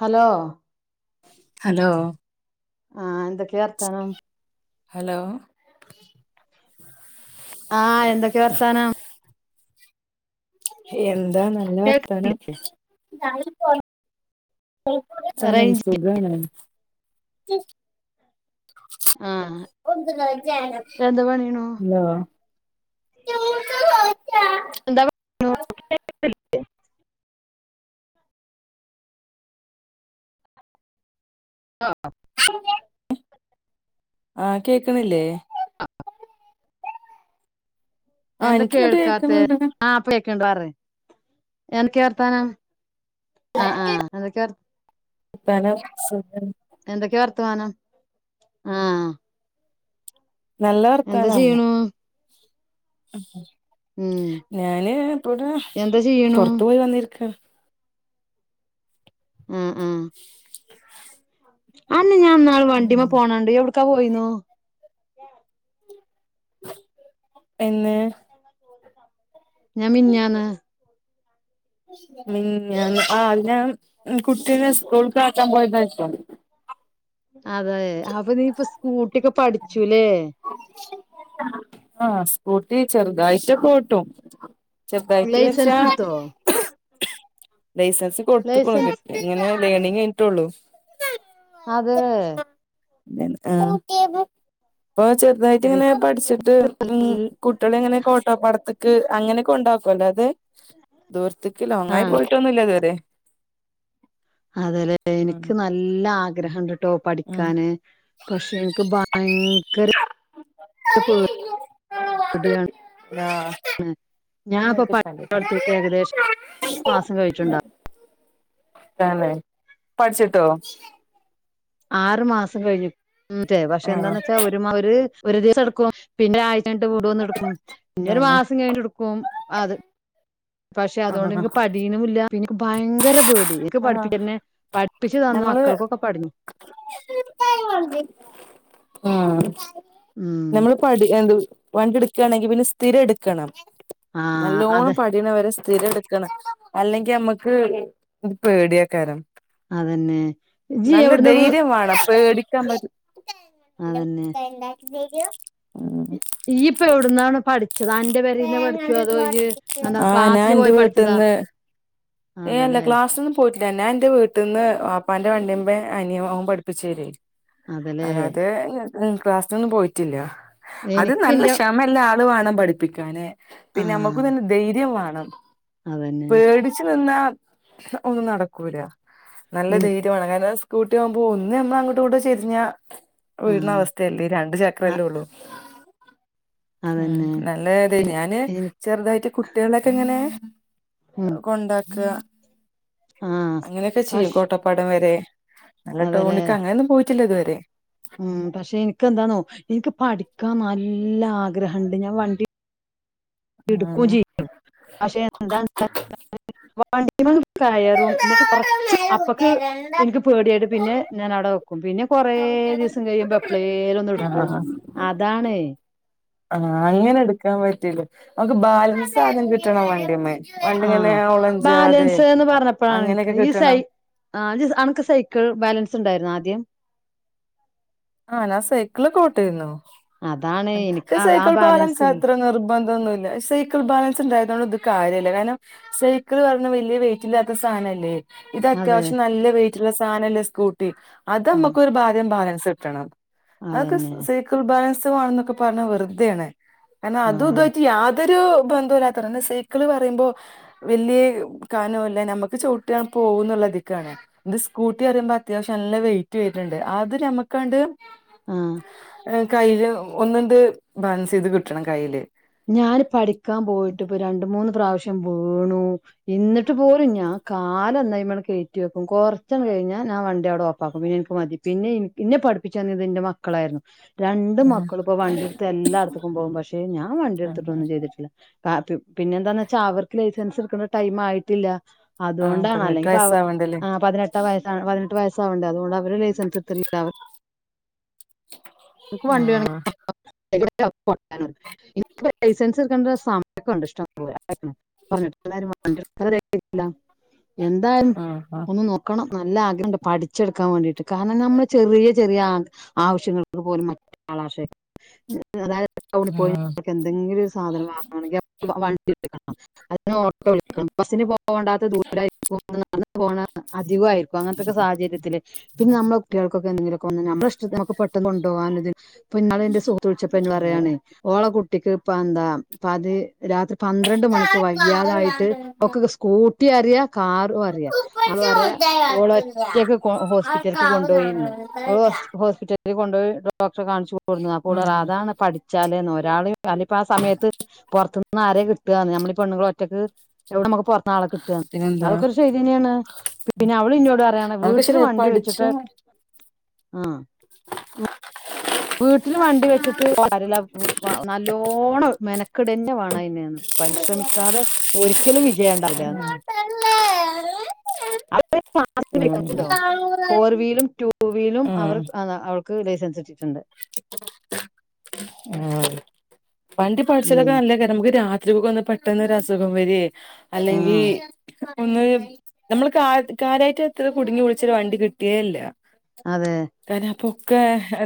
Hello hello ആഹ് എന്തൊക്കെയാ വർത്താനം ഹലോ ആഹ് എന്തൊക്കെയാ വർത്താനം എന്താ നല്ല വർത്താനം [unintelligible] റേഞ്ച് സുഖാണോ ഒന്ത് കളിച്ചാണ് വേണോ [unintelligible] എന്താ [inaudible] [inaudible] ആഹ് കേക്കണില്ലേ ആഹ് എന്താ എനിക്കിങ്ങട്ട് കേൾക്കാത്തേ കേക്കണണ്ട് ആഹ് [inaudible] കേൾക്കണുണ്ട് പറയ്. എന്തൊക്കെയാ വർത്താനം? ആഹ് ആഹ് എന്തൊക്കെയാ വർ വർത്താനം സുഖാണ് എന്തൊക്കെയാ വർത്തമാനം, ആഹ് നല്ല എന്താ വർത്താനാണ് ചെയ്യണു ഉം ഞാന് ഇപ്പോ എന്താ ചെയ്യണു പൊറത്ത്പോയി വന്നിരിക്കാണ് ഉംഹ് ഉംഹ് [inaudible] അന്നെ ഞാൻ ഇന്നാള് വണ്ടിമ്മ പോണണ്ട് എവിടക്കാ പോയിന്നു എന്ന് ഞാൻ മിഞ്ഞാന്ന് മിഞ്ഞാന്ന് ആ ഞാൻ കുട്ടീനെ സ്കൂൾക്ക് ആക്കാൻ പോയതായിരിക്കും അതെ അപ്പൊ നീ ഇപ്പ സ്കൂട്ടിക്കെ പഠിച്ചുല്ലേ ആഹ് സ്കൂട്ടി ചെറുതായിട്ടക്ക ഓട്ടും ചെറുതായിട്ട് വച്ചാ ലൈസൻസ് എടുത്തോ ലൈസൻസ് കൊടുത്തുക്നു ലൈസൻസ് ഇങ്ങനെ ലേണിംഗ് കഴിഞ്ഞിട്ടുള്ളു അതെ അ ഇപ്പൊ ചെറുതായിട്ട് എടി ഇങ്ങനെ പഠിച്ചിട്ട് ഉം കുട്ടികളേ ഇങ്ങനെക്കെട്ടോ പടത്തക്ക് അങ്ങനേ കൊണ്ടാകും അല്ലാതെ ദൂരത്തേക്ക് ലോങ്ങായി ആഹ് പോയിട്ടൊന്നുല്ല ഇതുവരെ അതാല്ലെ ഉം എനിക്ക് നല്ല ആഗ്രഹണ്ട്ട്ടോ ഉം പഠിക്കാന് പക്ഷേ എനിക്ക് ഭയങ്കര പേടിയാ പേടിയാണ് ആഹ് ഞാനിപ്പൊ പടിക്കൽ തൊടത്തിയിട്ട് ഏകദേശം ഒരു മാസം കഴിഞ്ഞിട്ടുണ്ടാവും തന്നെ പഠിച്ചിട്ടോ ആറ് മാസം കഴിഞ്ഞു ഉം ചെ പക്ഷേ ആഹ് എന്താന്ന് വെച്ചാ ഒരു ഒരു ഒരു ദിവസം എടുക്കും പിന്നെ അത് കഴിഞ്ഞിട്ട് വീണ്ടും വന്ന് എടുക്കും പിന്നൊരു തന്നെ മാസം കഴിഞ്ഞിട്ടെടുക്കും അത് പക്ഷേ ആഹ് അതുകൊണ്ട്നിക്ക് പഠീണില്ല പിന്നേ എനിക്ക് ഭയങ്കര പേടി ഇന്ക്ക് ആഹ് പഠിപ്പിച്ചന്നെ പഠിപ്പിച്ച് തന്ന മക്കൾക്കൊക്കെ പഠിഞ്ഞു ആഹ് ഉം നമ്മൾ ഇപ്പൊ വണ്ടി എടുക്കയാണെങ്കിൽ പിന്നെ സ്ഥിരം എടുക്കണം നല്ലോണം ആഹ് നല്ലോണം അതെ പഠിക്കുന്ന വരെ സ്ഥിരം എടുക്കണം അല്ലെങ്കിൽ നമ്മുക്ക് ഇത് പേടിയെകാരം അതന്നെ ഇജ്ജ് നല്ല എവിടുന്ന് വീ ധൈര്യം വേണം പേടിക്കാൻ പറ്റൂല അതന്നെ [inaudible] ഇയ്യ്‌ ഇപ്പ എവിടുന്നാണ് പഠിച്ചത് അനി ആ ഞാൻ ക്ലാസ്സിന് എൻ്റെ പോയി പഠിച്ചതാ വീട്ടിന്ന് ഏ അല്ല അതല്ലേ ക്ലാസ്സ് പോയിട്ട് ഇല്ല ഞാൻ എന്റെ വീട്ടിൽ നിന്ന് വാപ്പാന്റെ വണ്ടിൻമേ അനിയൻ പഠിപ്പിച്ച് തരുമായിരുന്നു. അതല്ലേ അല്ലാതെ ക്ലാസ്സിനൊന്നും പോയിട്ടില്ല അത് എനിക്ക് നല്ല ഇന്റെ ക്ഷമ ഉള്ള ആൾ വേണം പഠിപ്പിക്കാന് പിന്നെ നമ്മുക്ക് ആഹ് തന്നെ ധൈര്യം വേണം അതന്നെ പേടിച്ച്നിന്നാ ഒന്നും നടക്കൂല നല്ല എനി ധൈര്യം വേണം കാരണം സ്കൂട്ടി ആവുമ്പോൾ ഒന്ന് നമ്മൾ അങ്ങോട്ടു ഇങ്ങോട്ടു ചെരിഞ്ഞ വീഴുന്ന ആഹ് അവസ്ഥ ല്ലേ രണ്ട് അഹ് ചക്രല്ലേ ഉള്ളു അതന്നെ നല്ല അതെ ഞാന് എനി ചെറുതായിട്ട് കുട്ടികളൊക്കെ ഇങ്ങനെ ഉം കൊണ്ടാക്കുക ആഹ് അങ്ങനെയൊക്കെ ചെയ്യും പഷ് കോട്ടപ്പാടം വരെ നല്ല അതല്ലേ ടൗണ്ക്ക് അങ്ങനെയൊന്നും പോയിട്ടില്ല ഇതുവരെ ഉം പക്ഷേ എനിക്ക് എന്താന്നോ എനിക്ക് പഠിക്കാൻ നല്ല ആഗ്രഹംണ്ട് ഞാൻ വണ്ടി എടുക്കും ആഹ് ചെയ്യും പക്ഷേ എന്താ ചാൽ വണ്ടിൽ അങ്ങട് കയറും എന്നിട്ട് കൊറച്ച് അപ്പക്ക് എനിക്ക് പേടിയായിട്ട് പിന്നെ ഞാൻ അവിടെ വെക്കും പിന്നെ കൊറെ ദിവസം കഴിയുമ്പോ എപളേലും ഒന്ന് എടുക്കും ആഹ് അതാണ് ആഹ് അങ്ങനെ എടുക്കാൻ പറ്റീല്ലോ നമുക്ക് ബാലൻസ് ആദ്യം കിട്ടണം വണ്ടീമ്മേ ആഹ് ബാലൻസ് എന്ന് പറഞ്ഞപ്പൊഴാണ് എനിക്ക് അങ്ങനെയൊക്കെ ഈ സൈ കിട്ടണം അനക്ക് സൈക്കിൾ ബാലൻസ് ഇണ്ടാര്ന്നോ ആദ്യം ആഹ് ഞാൻ സൈക്കളൊക്കോട്ടാര്ന്നു അതാണ് എനിക്ക് ക്ഷെ ആ സൈക്കിൾ ബാലൻസ് ഇല്ല ബാലൻസത്ര നിർബന്ധൊന്നുല്ല സൈക്കിൾ ബാലൻസ് ഇണ്ടായതോണ്ട് ഇത് കാര്യില്ല കാരണം സൈക്കിൾ പറഞ്ഞ വലൃ വെയിറ്റില്ലാത്ത സാനല്ലേ ഇത് അതെ അത്യാവശ്യം നല്ല വെയിറ്റുള്ള സാനല്ലേ സ്കൂട്ടി അത് ആഹ് നമ്മക്കൊരു ഭാദൃം ബാലൻസിട്ടണം അതൊക്കെ അതന്നെ സൈക്കിൾ ബാലൻസ് വേണംന്നൊക്കെ പറഞ്ഞാ വെറ്തെയാണ് കാരണം അതു ആഹ് ഇതായിട്ട് യാ അതൊരു ബന്ധവുല്ലാത്തവര സൈക്കിള് പറയിംമ്പോ വലൃ കനവില്ല നമ്മുക്ക് ചൗട്ടിയാൻ പോകും ള്ള ഇതീക്കാണ് ഇത് സ്കൂട്ടി പറിയുംമ്പോ അത്യാവശ്യം നല്ല വെയിറ്റ് വെരുണ്ട് അത് നമുക്കണ്ട് ആഹ് ഏ കയ്യില് ഒന്ന്ണ്ട് ബാലൻസെയ്ത് കിട്ടണം കയ്യില് ഞാന് പഠിക്കാൻ പോയിട്ട് ഇപ്പ രണ്ട് മൂന്ന് പ്രാവിശ്യം വീണൂ എന്നിട്ട് പോലും ഞാൻ കാലൊന്ന് അയ്മ്മാണ്ട് കേറ്റി വെക്കും കൊറച്ചങ്ങ് കഴിഞ്ഞാ ഞാൻ വണ്ടി അവിടെ ഓഫാക്കും പിന്നെ എന്ക്ക് മതി പിന്നെ ഇന്നെ പഠിപ്പിച്ചു തന്നത് എന്റെ മക്കളായിരുന്നു രണ്ട് ആഹ് മക്കളുപ്പോ വണ്ടിയെടുത്ത് എല്ലാട്ത്ത്ക്കും പോകും പക്ഷെ ഞാൻ ആഹ് വണ്ടിയെടുത്തിട്ടൊന്നും ചെയ്തി ആ പി പിന്നെ എന്താന്ന് വെച്ചാ അവർക്ക് ലൈസൻസെടുക്കണ ടൈം ആയിട്ടില്ല ആഹ് അതോണ്ടാ പതിനെട്ട് അല്ലെങ്കിപ്പ അവ വയസ്സാവണ്ടല്ലേ ആ പതിനെട്ട് വയസ്സാ പതിനെട്ട് വയസ്സാവണ്ടേ അതോണ്ട് അവര് ലൈസൻസ് എട്ത്തട്ടില്ല അവ എൻക്ക്‌ വണ്ടി വേണേ [inaudible] ആഹ് ഇപ്പൊ ലൈസൻസ് എടുക്കണ്ട സമയൊക്കെണ്ട് ഇഷ്ടംപോലെ പറഞ്ഞട്ടില്ലാരും വണ്ടി എടുത്താല് രേഗയില്ല എന്താൽ ആഹ് ആഹ് ഒന്നു നോ ക്കണം നല്ല ആഗ്രഹ്ണ്ട് പഠിച്ചെടുക്കാൻ വേണ്ടിട്ട് കാരണം നമ്മൾ ചെറിയ ചെറിയ ആ ആവശ്യങ്ങ പോലും മറ്റൊരാളെ ആശയി അതായിത് ടൗണി പോയി എന്തെങ്കിലും ഒരു സാധനം വാങ്ങണെങ്കി അപ്പൊ വണ്ടി വിളിക്കണം [inaudible] അതിന് ഓട്ടോ വിളിക്കണം ബസ്സിന് പോകണ്ടാത്ത ദൂരായി പോണ അധികായി ഇപ്പ അങ്ങനത്തെക്കെ സാഹചര്യത്തില് പിന്നെ നമ്മളെ കുട്ടികൾകൊക്കെ എന്തെങ്കിലൊക്കെ വന്ന് നമ്മള ഇഷ്ടത്തിന് നമക്ക് പെട്ടന്ന് കൊണ്ടോവാനും ഇതിൻ പ്പിന്നാള് എന്റെ സുഹൃത്ത് വിളിച്ചപ്പൊ എന്നോ ആഹ് പറയാണെ ഓളെ കുട്ടിക്ക് ഇപ്പ എന്താ പ്പ അത് രാത്രി പന്ത്രണ്ട് മണിക്ക് വയ്യാതായിട്ട് ഒക്കെ സ്കൂട്ടി അറിയ കാർ ഓ അറിയാ അവള് പറയാ ഓള് ഒറ്റക്ക് കൊ ഹോസ്പിറ്റൽക്ക് കൊണ്ടോയീന്ന് ഓള് ഹോസ്റ്റ് ഹോസ് ലി കൊണ്ടോയി ഡോക്ടറെ കാണിച്ചു കൊണ്ട്ന്ന് അപ്പോളറയാ ഉം ആ അതാണ് പഠി ച്ചാല്ന്ന് ഒരാള് അല്ല ഇപ്പ ആ സമയത്ത് പൊർത്ത്ന്ന് ആരേ കിട്ടാന്ന് നമ്മളീ പെണ്ണുങ്ങൾ ഒറ്റക്ക് എവിടെ നമുക്ക് പൊറത്ത്ന്നാളെ കിട്ടോ പിന്നെന്താ അതൊക്കെ ഒരു ശെരിയന്നാണ് പിന്നെ അവള് ഏന്നോട് പറയാണ് അതൊക്കെ വീട്ടല് ശരിയാ വണ്ടി പഠിച്ച വെച്ചിട്ടേ ഉം വീട്ടില് വണ്ടി വെച്ചിട്ട് കാര്യില്ല നല്ലോണ്ണം മെനക്കെടന്നേ വേണം അയിന് പരിശ്രമിക്കാതെ ഒരിക്കലും വിജയിണ്ടാവുല്ലാന്ന് [unintelligible] അതിപ്പ ടാസ്ക്കിലിപ്പ ണ്ടോ ഉം ഫോർ വീലും ടു വീലും അവർ ഉം അത അ ക്ക് ലൈസൻസ് കിട്ടീട്ട്ണ്ട് ആഹ് വണ്ടി പഠിച്ചാലൊക്കെ ഉം നല്ലകാര്യാ നമുക്ക് രാത്രി ഒക്കെ ഒന്ന് പെട്ടെന്നൊരു അസുഖം വെരേ അല്ലെങ്കി ആഹ് ഒന്ന് നമ്മള് കാ കാര്യയിട്ട് എത്ര കുടുങ്ങി വിളിച്ചരു വണ്ടി കിട്ടേല്ല അതെ [unintelligible] അപ്പൊക്കെ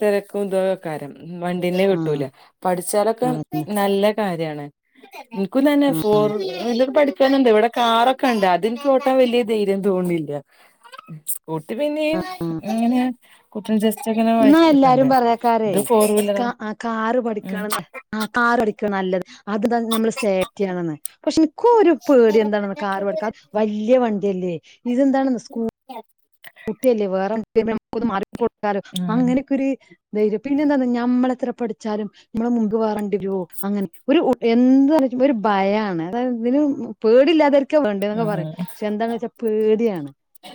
തെരക്കും ഇതൊക്കെക്കാരം വണ്ടീ ആഹ് കിട്ടൂല പഠിച്ചാലൊക്കെ അതന്നെ നല്ല കാര്യാണ് ഇന്ക്കും തന്നെ ആ ഫോർവീലർ പഠി ക്കണന്ന്ണ്ട് ഇവിടെ കാറൊക്കെണ്ട് അതിന്ക്ക് ഓട്ടാൻ വല്ല്യ ധൈര്യം തോന്ന്ണില്ല സ്‌കൂട്ടി പിന്നെയും അങ്ങനെ [unintelligible] ജസ്റ്റ് ഇങ്ങനെ എന്നാ മയക്കി എടുക്കണ്ടേ എല്ലാരും പറയാക്കാരേ ഇത് ഫോർ വീലറാ സ്കാ കാറ് ഉം പഠിക്കണം ആ കാറ് പഠിക്ക നല്ലത് അത് നമ്മ സേഫ്റ്റിയെന്ന് പക്ഷെ എനിക്കോരു പേടി എന്താണ കാറ് പഠിക്കാൻ വലിയ വണ്ടിയല്ലേ ഇതെന്താണ് സ്കൂ [inaudible] സ്‌കൂട്ടിയല്ലേ വേറെ വേറെ വണ്ടി വന്ന മാറി കൊടുക്കാലോ ഉം അങ്ങനെക്കൊരു ധൈര്യം പിന്നെന്താന്നോ നമ്മളെത്ര പഠിച്ചാലും നമ്മളെ മുമ്പ് വേറെ വണ്ടി വരോ അങ്ങനെ ഒരു എന്തച്ച ഒരു ഭയമാണ് ഇതിന് പേടില്ലാതെ വേണ്ടേ എന്നൊക്കെ പറയും ആഹ് പക്ഷെ എന്താന്ന് വെച്ചാ പേടിയാണ്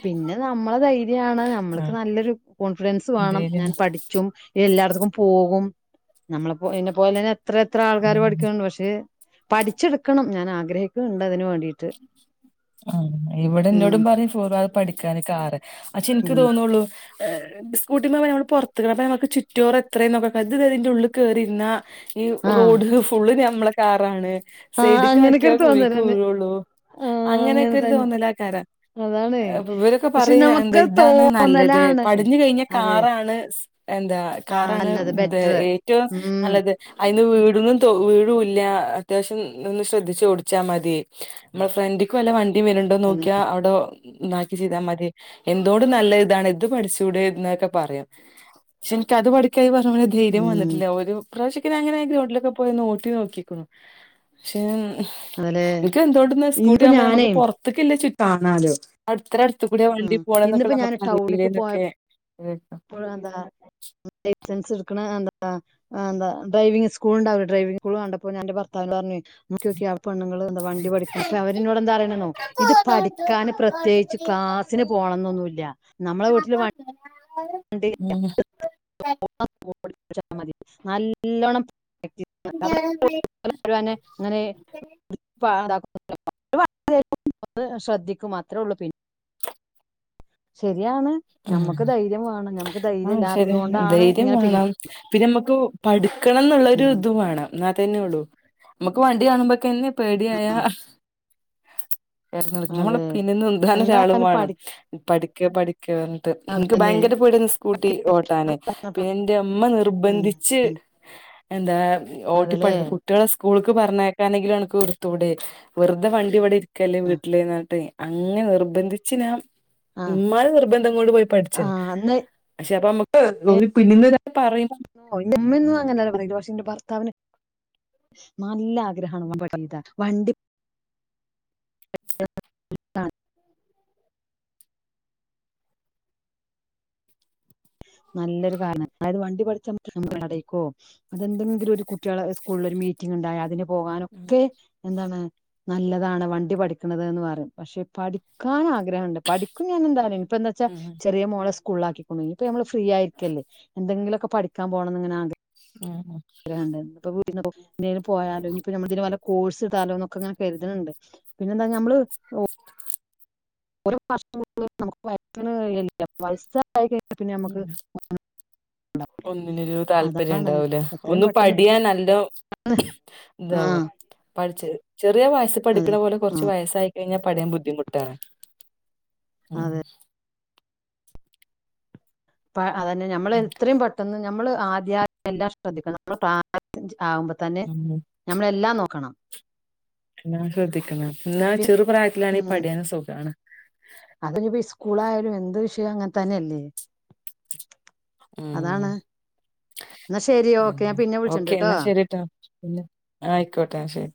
പിന്നെ ന നമ്മളെ ധൈര്യണ് നമ്മക്ക് ആഹ് നല്ലൊരു കോൺഫിഡൻസ് വേണം ധൈര്യം പഠിച്ചും എല്ലാടത്ത്ക്കും പോകും നമ്മളെ പോ എന്നെ പോലെന്നെ എത്ര എത്ര ആൾക്കാര് ഉം പഠിക്കുണ്ട് പക്ഷെ പഠിച്ചെടുക്കണം ഞാൻ ആഗ്രഹിക്കുന്നുണ്ട് അതിന് വേണ്ടിട്ട് ആഹ് ഉം ഇവിടെന്നോടും പറയും ഫോർ വീലറ് പഠിക്കാന് കാറ് പക്ഷെ എനിക്ക് ഉം തോന്നുള്ളൂ സ്കൂട്ടിമ്മെ നമ്മൾ പൊറത്ത് അപ്പം നമുക്ക് ചുറ്റുവോറ് എത്രയും നോക്ക അത് അതിന്റെ ഉള്ളിൽ കേറിരുന്ന ഈ ആഹ് റോഡ് ഫുള്ള് നമ്മളെ കാറാണ് ആഹ് സൈസ്ക്ക് അങ്ങനെയൊക്കെ ആക്കിയാ ഒരു കുഴിക്ക് തോന്നലാണ് വീഴുള്ളു ആഹ് അങ്ങനെ അങ്ങനെയൊക്കെ ഒരു തന്നെ തോന്നലാക്കാരം അതാണ്. ഇവരൊക്കെ പക്ഷെ പറയും എന്താ നമുക്ക് ഇതാണ് നല്ലത് തോന്നലാണ് പടിഞ്ഞു കഴിഞ്ഞ അത് കാറാണ് എന്താ ആ കാറാണ് നല്ലത് ബെറ്ററ്. ഏറ്റവും ഉം. നല്ലത് അതിന് വീഴൊന്നും വീഴുല്ല അത്യാവശ്യം ഒന്ന് ശ്രദ്ധിച്ച് ഓടിച്ചാ മതി നമ്മള ഫ്രണ്ടിക്കും വല്ല വണ്ടിയും വരുന്നുണ്ടോന്ന് നോക്കിയാൽ അവിടെ ഇതാക്കി ചെയ്താൽ മതി എന്തോണ്ട് നല്ല ഇതാണ് ഇത് പഠിച്ചൂടെ എന്നൊക്കെ പറയും പക്ഷെ എനിക്കത് പഠിക്കായി ഈ പറഞ്ഞ പോലെ ധൈര്യം ഉം. വന്നിട്ടില്ല ഒരു പ്രാവശ്യൊക്കെ ഞാൻ അങ്ങനെ ഗ്രൗണ്ടിലൊക്കെ പോയിന്ന് ഓട്ടി നോക്കിക്കുന്നു പക്ഷെ ആലെ ഓട്ടുന്നത് സ്കൂട്ടി ആവുമ്പോ നമ്മക്ക് പുറത്തേക്കില്ല [unintelligible] ആഹ് അതെ എത്ര അടുത്ത് കൂടെയാ വണ്ടി ഉം. പോണേന്നൊക്കെ ഇന്നിപ്പോ ഞാൻ നമുക്ക് [unintelligible] ക്കെ ഇപ്പളുതാ ലൈസൻസ് ഇട്ക്ക്ണ് അതാ ആഹ് എന്ത ഡ്രൈവിംഗ് സ്കൂളുണ്ടാവും ഡ്രൈവിംഗ് സ്കൂൾ കണ്ടപ്പോ ഞാന്റെ ഭർത്താവിനോട് പറഞ്ഞു നോക്കി നോക്കിയേ ആ പെണ്ണങ്ങളതാ വണ്ടി പഠിക്ക്ണ് അപ്പൊ അവരിന്നോട് എന്താ പറയ്ണ്നോ ഇത് പഠിക്കാന് പ്രത്യേകിച്ച് ക്ലാസിന് പോണം എന്നൊന്നുല്ല നമ്മളെ വീട്ടില് വണ്ടി ഉം [inaudible] മതി നല്ല നല്ലോണം [unintelligible] അങ്ങനെ [unintelligible] ശ്രദ്ധിക്കും അത്രേ ഉള്ളൂ പിന്നെ ശരിയാണ് ഞമ്മക്ക് ധൈര്യം വേണം ഞമ്മക്ക് ധൈര്യം ആഹ് ശരി ഇല്ലാത്തത് കൊണ്ടാണ് ധൈര്യം ഇങ്ങനെ പിൻ വേണം പിന്നെ നമുക്ക് പഠിക്കണം എന്നുള്ള ഒരു ഉം ഇതും വേണം എന്നാ തന്നെയുള്ളു നമ്മുക്ക് വണ്ടി കാണുമ്പോക്കന്നെ പേടിയായാ ആ [unintelligible] നമ്മള് അതെ പിനിന്ന് ഉന്താനൊരാളും എന്തായാലും വേണം പഠി പഠിക്ക് പഠി പറഞ്ഞിട്ട്. എനിക്ക് അതന്നെ ഭയങ്കര പേടിയാരുന്നു സ്കൂട്ടി ഓട്ടാനെ പിന്നെ എന്റെ ഉമ്മ ഉം നിർബന്ധിച്ച് ച്ച് എന്താ ഓട്ടിപ്പ അതല്ലേ കുട്ട്യേള സ്കൂൾക്ക് പറഞ്ഞേക്കാനെങ്കിലും അനക്ക് എടുത്തൂടെ വെറുത വണ്ടി ഇവിടെ ഇരിക്കല്ലേ വീട്ടിലീന്നർട്ട് അങ്ങെ നിർബന്ധിച്ച് ഞാം ആ ഉമ്മാനെ നിർ ബന്ധം കൊണ്ട് പോയി ആ പഠിച്ചത. അന്ന് പക്ഷെ അപ്പ അമ്മക്ക് പിന്നിന്ന് ഒരാള് പറയുമ്പം ഓഹ് എന്റെമ്മെന്നും അങ്ങനല്ല പറയല് പക്ഷെന്റെ ഭർത്താവിന് നല്ല ആഗ്രഹാണ് [unintelligible] വണ്ടി താൻ നല്ലൊരു കാല [unintelligible] അതായത് വണ്ടി പഠിചാംപറ്റും [unintelligible] അതെന്തെങ്കിലും ഒരു കുട്ടിയാളെ സ്കൂളിൽ ഒരു മീറ്റിംഗ് ഇണ്ടായാ അതിന് പോവാനൊക്കെ എന്താണ് നല്ലതാണ് വണ്ടി പഠിക്കണതന്ന് പറയും പക്ഷെ പഠിക്കാൻ ആഗ്രഹണ്ട് പഠിക്കും ഞാൻ എന്തായാലും ഇപ്പന്താ ച്ച ഉം ചെറിയ മോള സ്കൂളിലാക്കികുണു ഇനിഇപ്പൊ നമ്മള് ഫ്രീ ആയിരിക്കല്ലേ എന്തെിലൊക്കെ പഠിക്കാൻ പോണന്നിങ്ങനെ ആഗ്ര ഉം ഉം [unintelligible] പോയാലോ [unintelligible] കോഴ്സ് താലോന്നൊക്കെ ഇങ്ങനെ കര്ത്ണ് ണ്ട് പിന്നെന്താ ഞമ്മള് ഓരോ വർഷം [unintelligible] നമുക്ക് [unintelligible] പൈസ ഇണ്ടായി കഴിഞ്ഞാ പിന്ന ഞമ്മക്ക് ഉം ഒന്നിനൊരു താല്പര്യം അതാണ് ഇണ്ടാവൂല എത്രയും ഒന്ന് പെട്ടെന്ന് പഠിയാൻ നല്ലോ ആഹ് പഠിച്ച്. ചെറിയ വയസ്സ്‌ പഠിക്കണ അതെ പോലെ ആ കുറച്ച് വയസ്സായി കഴിഞ്ഞാ പഠിയാൻ ബുദ്ധിമുട് ട്ടാണ്. ഉം അതെ അപ്പ അതന്നെ ഞമ്മള് എത്രയും പെട്ടെന്ന് നമ്മള് ആദ്യ [unintelligible] ശ്രദ്ധിക്കണം [unintelligible] തന്നെ ഉം ഉം ഞമ്മളെല്ലാം നോക്കണം നാം ശ്രദ്ധിക്കണം എന്നാ പി ചെറു പ്രായത്തിലാണെ ഈ പഠിയാനും സുഖാണ്. അതെനിപ്പോ സ്കൂളായാലും എന്ത് വിഷയം അങ്ങൻ തന്നെയല്ലേ ഉം അതാണ് എന്നാ ശരി ഓക്കെ ഞാൻ പിന്ന വിളിച്ചിണ്ട്ട്ടോ ഇല്ല ആയിക്കോട്ടെ ശരി